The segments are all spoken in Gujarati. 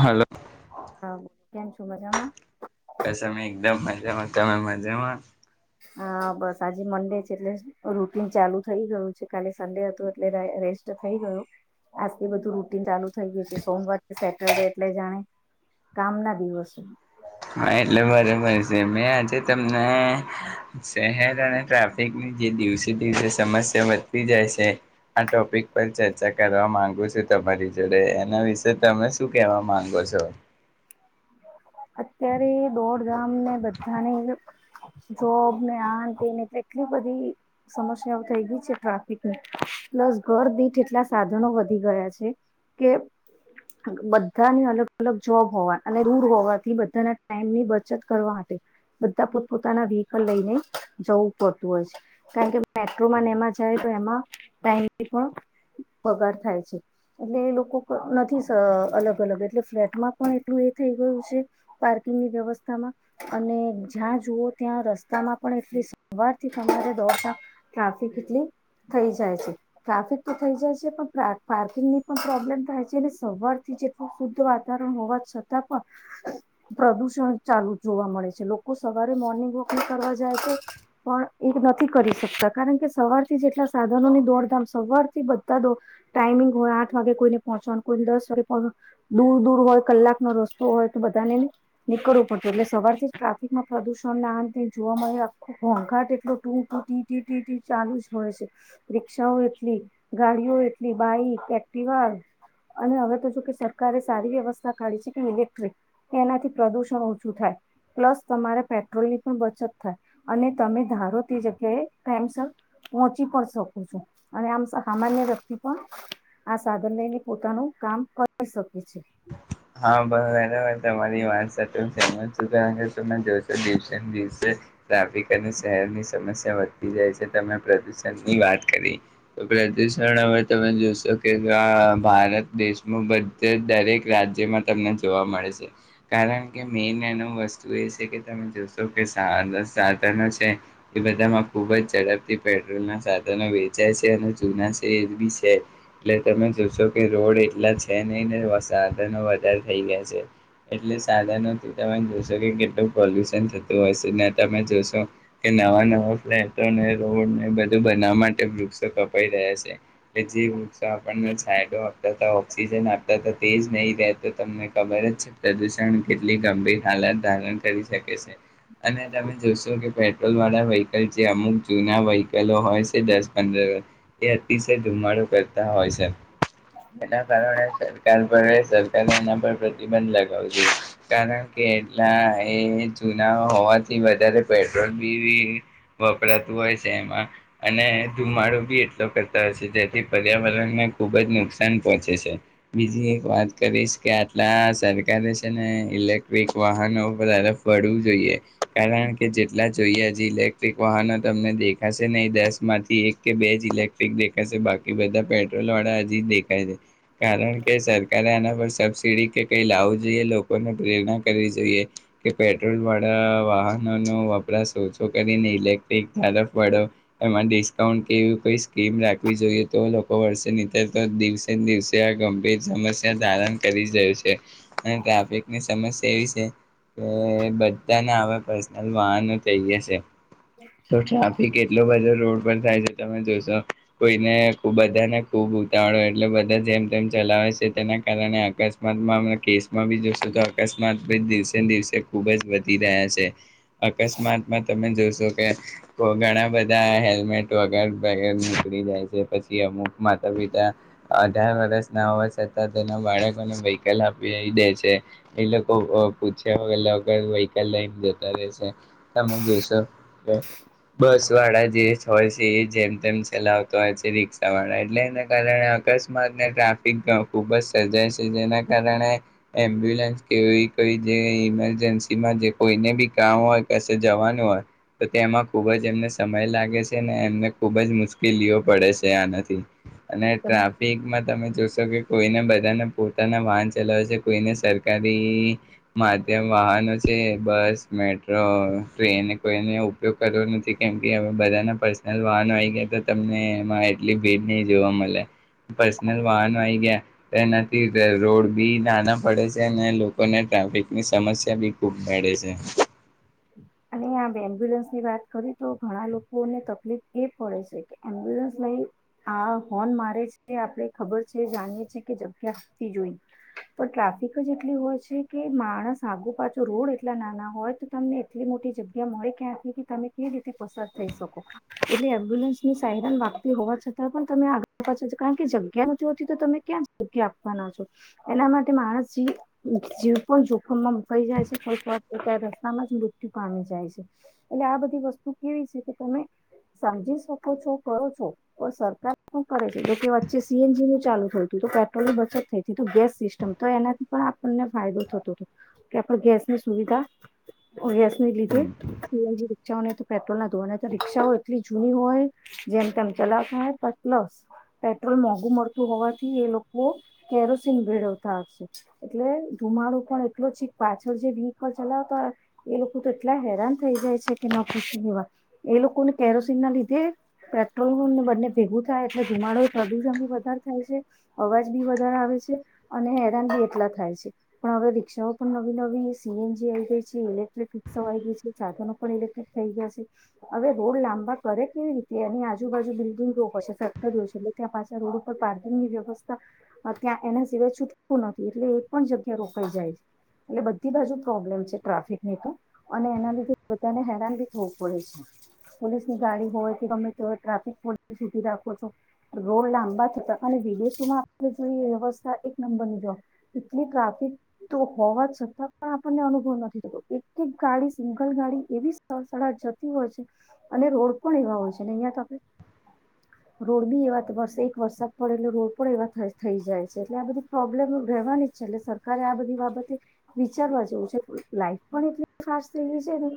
હલો હા. કેમ છો? મજામાં. બસ અમે એકદમ મજામાં, તમે મજામાં? હા બસ આજે મંડે છે એટલે રૂટિન ચાલુ થઈ ગયું છે કાલે સન્ડે હતું એટલે રેસ્ટ થઈ ગયો આજથી બધું રૂટિન ચાલુ થઈ ગયું છે સોમવાર સેટરડે એટલે જાણે કામના દિવસો. હા, એટલે બરોબર છે મેં આજે તમને શહેર અને ટ્રાફિકની જે દિવસે દિવસે સમસ્યા વધતી જાય છે આ ટોપિક પર ચર્ચા કરવા માંગુ છું તમારી જોડે એના વિશે તમે શું કેવા માંગો છો? અત્યારે દોડધામને બધાની જોબ ને આને તે એટલે એટલી બધી સમસ્યાઓ થઈ ગઈ છે ટ્રાફિકની પ્લસ ઘર દીઠ એટલા સાધનો વધી ગયા છે કે બધાની અલગ-અલગ જોબ હોવા અને રૂટ હોવાથી બ બધાના ટાઈમ ની બચત કરવા માટે બધા પોતપોતાના વ્હીકલ લઈને જવું પડતું હોય છે કારણ કે મેટ્રોમાંને એમાં જાય તો એમાં ટાઈમની પણ બગાડ થાય છે એટલે એ લોકો નથી અલગ અલગ એટલે ફ્લેટમાં પણ એટલું એ થઈ ગયું છે પાર્કિંગની વ્યવસ્થામાં અને જ્યાં જુઓ ત્યાં રસ્તામાં પણ એટલી સવારથી તમારે દોડતા ટ્રાફિક એટલી થઈ જાય છે ટ્રાફિક તો થઈ જાય છે પણ પાર્કિંગની પણ પ્રોબ્લમ થાય છે. અને સવારથી જેટલું શુદ્ધ વાતાવરણ હોવા છતાં પણ પ્રદુષણ ચાલુ જોવા મળે છે લોકો સવારે મોર્નિંગ વોકિંગ કરવા જાય છે પણ એ નથી કરી શકતા કારણ કે સવારથી જેટલા સાધનોની દોડધામ સવારથી બધા દ ટાઈમિંગ હોય આઠ વાગે કોઈને પહોંચવાનું, કોઈને દસ વાગે દૂર દૂર હોય કલાકનો રસ્તો હોય તો બ બધાને નીકળવું પડતું હોય, એટલે સવારથી ટ્રાફિકમાં પ્રદૂષણ ના આન તે જોવા મળે, આખોધોઘાટ, એટલો ટી ટી ટી, ચાલુ જ હોય છે, રિક્ષાઓ એટલી, ગાડીઓ એટલી, બાઈક, એકટીવા અને હવે તો, જો કે સરકારે સારી વ્યવસ્થા કાઢી છે કે, ઇલેક્ટ્રિક એનાથી પ્રદુષણ ઓછું થાય, પ્લસ તમારા પેટ્રોલ ની પણ બચત થાય, અને તમે ધારો તે જગ્યાએ ટાઈમસર પહોંચી પણ શકો છો, અને આમ સામાન્ય વ્યક્તિ પણ આ સાધન લઈને પોતાનું કામ કરી શકે છે હા બરાબર તમારી વાત સાથે સહમત છું [unintelligible] તમે જોશો, દિવસે ને દિવસે ટ્રાફિક અને શહેરની સમસ્યા વધતી જાય છે, તમે પ્રદુષણ ની વાત કરી, તો પ્રદુષણ હવે તમે જોશો કે, ભારત દેશમાં, બધેજ દરેક રાજ્ય જેમાં તમને જોવા મળે છે, કારણ કે મેન એનું વસ્તુ એ છે કે, તમે જોશો કે, સા સાધનો છે, એ બધામાં ખૂબ જ ઝડપથી પેટ્રોલના સાધનો વેચાય છે, અને જૂના છે, એ બી છે, એટલે તમે જોશો કે, રોડ એટલા છે નહીં ને વધારે થઈ ગયા છે એટલે સાધનોથી, તમે જોશો કે કેટલું પોલ્યુશન થતું હશે ને, તમે જોશો કે, નવા નવા ફ્લેટો, ને રોડને બધું બનાવવા માટે વૃક્ષો કપાઈ રહ્યા છે, જે વૃક્ષો આપણને છાયડો આપતા, ઓક્સિજન આપતા હતા, તેજ નહીં રહે, તો તમને ખબર જ, પ્રદુષણ કેટલી ગંભીર હાલત ધારણ કરી શકે છે. અને તમે જોશો કે, પેટ્રોલ વાળા વ્હીકલ, જે અમુક જૂના વહીકલો હોય છે, દસ પંદર વર્ષ, એ અતિશય ધુમાડો કરતા હોય છે એના કારણે સરકાર [unintelligible] સરકારે એના પર પ્રતિબંધ લગાવું જોઈએ, કારણ કે એટલા એ જુના હોવાથી વધારે પેટ્રોલ બી વપરાતું હોય છે એમાં અને ધુમાડો બી એટલો કરતા હોય છે, જેથી પર્યાવરણને ખુબ જ નુકસાન પહોંચે છે બીજી એક વાત કરીશ કે આટલા સરકારે છે ને, ઇલેક્ટ્રિક વાહનો તરફ વળવું જોઈએ. કારણ કે જેટલા જ. જોઈએ, હજી ઇલેક્ટ્રિક વાહનો તમને દેખાશે નહી, દસ માંથી એક કે બે જ ઇલેક્ટ્રિક દેખાશે, બાકી બધા પેટ્રોલ વાળા હજી જ દેખાય છે, કારણ કે સરકારે આના પર સબસીડી કે કઈ લાવું જોઈએ, લોકોને પ્રેરણા કરવી જોઈએ. કે પેટ્રોલ વાળા વાહન નો વપરાશ ઓછો કરીને ઇલેક્ટ્રિક તરફ વળો, એમાં ડિસ્કાઉન્ટ કેવી કોઈ સ્કીમ રાખવી જોઈએ, તો લોકો વળશે નીતિ તો દિવસે ને દિવસે આ ગંભીર સમસ્યા ધારણ કરી જાય છે અને ટ્રાફિક ની સમસ્ તેવી છે કે બધાને હવે પર્સનલ વાહન થઈ ગયાં છે તો ટ્રાફિક એટલો બધો રોડ થાય છે તમે જોશો કોઈને બધાને ખૂબ ઉતાવળ હોય એટલે બધા જેમ તેમ ચલાવે છે તેના કારણે અકસ્માતમાં કેસમાં બી જોશું તો અકસ્માત બી દિવસે દિવસે ખુબ જ વધી રહ્યા છે અકસ્માતમાં તમે જોજો જોકે ઘણા બધા હેલ્મેટ વગર વગર નીકળી જાય છે પછી અમુક માતા પિતા અઢાર વર્ષ ના હોવા છતાં તેના બાળકોને વહીકલ આપી દે છે એ લોકો અ પૂછ્યા વગર વહીકલ લઈને જતા રહેે છે તમે જોશો તો. બસ વાડીએ જઇએ છીએ હોય છે એ જેમ તેમ ચલાવતો હોય છે રિક્ષાવાળા એટલે એના કારણે અકસ્માતને ટ્રાફિક ખુબ જ સર્જાય છે જેના કારણે એમ્બ્યુલન્સ કેવી કઈ જે ઈમરજન્સીમાં જે કોઈને બી કામ હોય કશે જવાનું હોય તો તેમાં ખુબ જ એમને સમય લાગે છે ને એમને ખુબ જ મુશ્કેલીઓ પડે છે આનાથી અને છે ટ્રાફિકમાં તમે જોશો કે કોઈને બધાને પોતાના વાહન ચલાવે છે કોઈને સરકારી માધ્યમ વાહનો છે તે બસ મેટ તો એને કોઈને ઉપયોગ કરવો નથી કેમ કે હવે બધાના પર્સનલ વાહનો ગયા તો તમને એમાં એટલી ભીડ નહી જોવા મળે, પર્સનલ વાહનો આવી ગયા. તેનાથી રોડ બી નાના પડે છે અને લોકોને ટ્રાફિકની સમસ્યા બી ખૂબ મળે છે. અને આ એમ્બ્યુલન્સની વાત કરીએ તો ઘણા લોકોને તકલીફ એ પડે છે કે એમ્બ્યુલન્સ લઈ આ હોર્ન મારે છે આપડણે ખબર છે જાણીએ છીએ કે જગ્યાતી જોઈ, પણ ટ્રાફિક જ એટલી હોય છે કે માણસ આગો પાછો રોડ એટલા નાના હોય તો તમને એટલી મોટી જગ્યા મળે ક્યાંથી કે તમે કેવી રીતે પસાર થઈ શકો, એટલે એમ્બ્યુલન્સની સયરાન વાપતી હોવા છતાં પણ તમે આગળ પાછ કારણ કે જગ્યા ન જોથી તો તમે ક્યાં જગ્યા આપવાના છો, એના માટે માણસજી જીવ પણ જોખમમાં મુકાઈ જાય છે ફ ફતા રસ્તામાં જ મૃતુ પામ જાય છે, એટલે આ બધી વસ્તુ કેવી છે કે તમે સમજી શકો છો કરો છો તો સરકાર પણ કરે છે એટલે કે વચ્ચે સી એન જી નું ચાલુ થયું હતું તો પેટ્રોલની બચત થઈું ગેસ સિસ્ટમ તો એનાથી પણ આપણને ફાયદો થતો હતો, કે આપ ગેસની સુવિધા ગેસ લીધે, હમ સી એલ જી રિક્ષાઓને પેટ્રોલ ના ધોરણે રિક્ષાઓ એટલી જૂની હોય, જેમ તેમ ચલાવતા હોય પ્લસ પેટ્રોલ મોંઘું મળતું હોવાથી એ લોકો કેરોસીન ભેળવતા હશે, એટલે ધુમાડો પણ એટલો છે પાછળ જે વ્હકલ ચલાવતા હોય. એ લોકો એટલા હેરાન થઈ જાય છે કે ન ખુશીવા, એ લોકોને કેરોસીન ના લીધે, પેટ્રોલને બંને ભેગું થાય એટલે ધીમાડો પ્રદુષણ બી વધારે થાય છે, અવાજ બી વધારે આવે છે અને હેરાન બી એટલા થાય છે, પણ હવે રિક્ષાઓ પણ નવી નવી સી એન જી આવી ગઈ છે. ફિક્સવા ગ છે સાધનો પણ ઇલેક્ટ્રિક થઈ ગયા છે, હવે રોડ લાંબા કરે કેવી રીતે એની આજુબાજુ બિલ્ડિંગ રો છે ફેક્ટરીઓ છે એટલે ત્યાં પાછા રોડ ઉપર પાર્કિંગની વ્યવસ્થા, ત્યાં એના સિવાય છૂટતું નથી એટલે એક પણ જગ્યા રોકાઈ જાય છે, એટલે બધી બાજુ પ્રોબ્લેમ છે ટ્રાફિક ન તો, અને એના લીધે પોને હેરાન ભી થવું પડે છે, પોલીસની ગાડી હોય કે ગમે તો ટ્રાફિક પોલી સુધી રાખો છો, રોડ લાંબા થતા કાર વિદેશોમાં આપણે જોઈ વ્યવસ્થા એક નંબરની જો, એટલી ટ્રાફિક તો હોવા છતાં પણ આપણને અનુભવ નથી થતો. એક એક ગાડી સિંગલ ગાડી એવી સરળા જતી હોય છે, અને રોડ પણ એવા હોય છે અહિયાં તો આપણે રોડ બી એવા એક વરસાદ પડે એટલે રોડ પણ એવા થઈ જાય છે એટલે આ બધી પ્રોબ્લેમ રહેવાની જ છે એટલે સરકારે આ બધી, બાબતે વિચારવા જેવું છે લાઈફ પણ એટલી ફાસ્ટ થઈ ગઈ છે, ને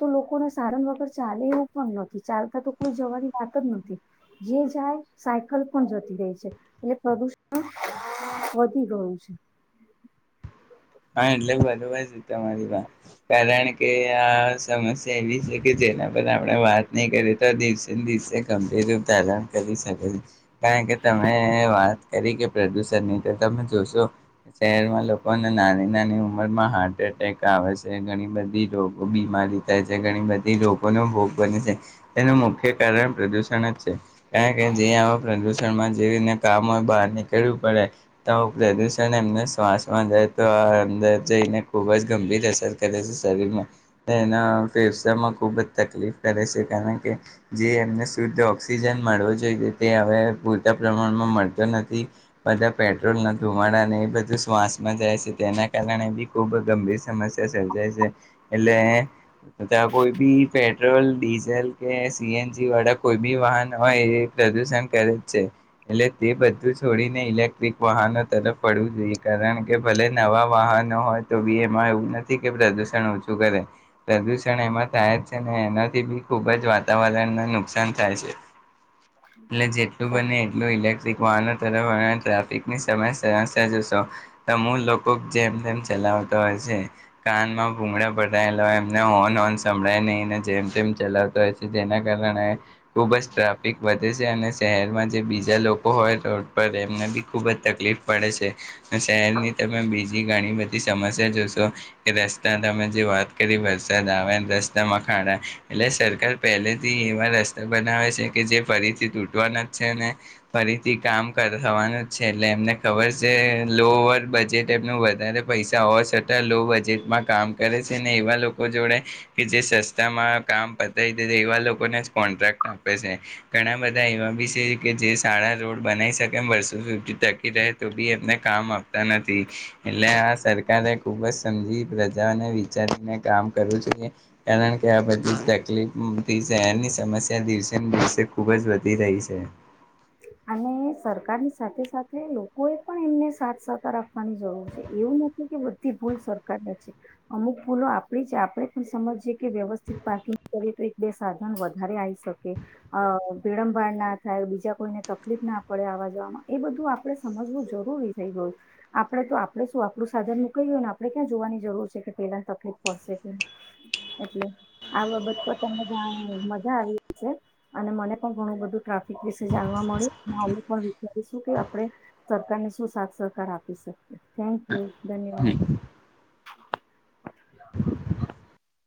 તો લોકોને સાધન વગર ચાલે એવું પણ નથી ચાલતા તો કોઈ જવાની વાત જ નથી, જે જાય સાયકલ પણ જતી રહી છે એટલે પ્રદુષણ વધી ગયું છે. હા એટલે બરોબર છે તમારી વાત, કારણ કે આ સમસ્યા એવી છે કે જેના પર આપણે વાત નહી કરીએ તો દિવસેને દિવસે ગંભીર રૂપ ધારણ કરી શકે. કારણ કે તમે એ વાત એરી કે પ્રદુષણ નહીં તો તમે જોશો, શહેરમાં લોકો નાની નાની ઉંમરમાં હાર્ટ એટેક આવે છે ઘણી બધી રોગો બીમારી થાય છે ઘણી બધી રોગોનો ભોગ બને છે, તેનું મુખ્ય કારણ પ્રદુષણ જ છે. કારણ કે જે પ્રદુષણમાં જે રને કામ હોય બહાર નીકળવું પડે, તો પ્રદૂષણ એમને શ્વાસમાં જાય. તો આ અંદર જઈને ખૂબ જ ગંભીર અસર કરે છે શરીરમાં, એના ફેફસામાં ખૂબ જ તકલીફ કરે છે કારણ કે, જે એમને શુદ્ધ ઓક્સિજન મળવો જોઈએ તે હવે પૂરતા પ્રમાણમાં મળતો નથી, બધા પેટ્રોલ ન ધુમાડાને એ બધું શ્વાસમાં જાય તો તેના કારણે બી ખુબ ગંભીર સમસ્યા સર્જાય છે. એટલે ત્યાં કોઈ બી પેટ્રોલ, ડીઝલ કે સી એન જી વાળા કોઈ બી વાહન હોય એ પ્રદુષણ કરે જ છે, એટલે તે બધું છોડીને ઇલેક્ટ્રિક વાહનો તરફ વળવું જોઈએ, કારણ કે ભલે નવા વાહનો હોય તો બી એમાં એવું નથી કે પ્રદુષણ ઓછું કરે, પ્રદુષણ એમાં થાય જ છે ને એનાથી બી ખુબ જ વાતાવરણને નુકસાન થાય છે. એટલે જેટલું બને એટલું ઇલેક્ ટ્રિક વાહનો તરફ [unintelligible] અમુ લોકો જેમ તેમ ચલાવતા હોય છે, કાનમાં ભૂગળા ભરાયેલા હોય એમને હોર્ન વોર્ન સંભળાય નહીં ને જેમ તેમ ચલાવતા હોય છે, જેના કારણે ખુબ જ ટ્રાફિક વધે છે, અને શહેરમાં જે બીજા લોકો હોય તો રોડ પર એમને બી ખુબ જ તકલીફ પડે છે. [unintelligible] શહેરની તમે બીજી ઘણી બધી સમસ્યા જોશો કે રસ્તા તમે જે વાત કરી વરસાદ આવેન રસ્તામાં ખાડા, એટલે સરકાર પહેલેથી એવા રસ્તા બનાવે છે કે જે ફરીથી તૂટવાના જ છે ને ફરીથી કામ કર થવાનું જ છે, એટલે એમને ખબર છે લોઅર બજેટ એમનું વધારે પૈસા હોવા છતા લો બજેટમાં કામ કરે છે, ને એવા લોકો જોડે કે જે સસ્તામાં કામ પતાવી દે એવા લોકોને જ કોન્ટ્રાક્ટ આપે છે. ઘણા બધા એવા બી છે કે જે સારા રોડ બનાઈ શકે એમ વર્ષો ટકી રહે તો બી એમને કામ આપતા નથી, એટલે આ સરકારે ખુબ જ સમજી પ્રજાને વિચારીને કામ કરવું જોઈએ, કારણ કે આ બધી તકલીફથી શહેરની સમસ્યા દિવસેન દિવસે ખુબ જ વધી રહી છે. અને સરકારની સાથે-સાથે લોકોએ પણ એમને સાથ-સહકાર આપવાની જરૂર છે. એવું નથી કે બધી ભૂલ સરકારને છે. અમુક ભૂલો આપડી જ આપણે પણ સમજી કે વ્યવસ્થિત પાર્કિંગ કરીએ તો એક-બે સાધન વધારે આઈ શકે, અહ ભીડંભર ના થાય, બીજા કોઈને તકલીફ ના પડે આવા જવામાં, એ બધું આપણે સમજવું જરૂરી થઈ ગયું. આપણે તો આપણે શું આપણું સાધન મુકાઈ ગયું ને, આપણે ક્યાં જોવાની જરૂર છે કે પેલા તકલીફ પડશે કે, એટલે આ બાબત પર તમને જાણ મજા આવી હશે, અને મને પણ ઘણું બધું ટ્રાફિક જાણવા મળ્યું, [unintelligible] [unintelligible] કે આપણે સરકારને શું સાથ સહકાર આપી શકીએ. થેન્ક યુ, ધન્યવાદ. [inaudible]